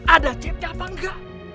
ada cetak apa enggak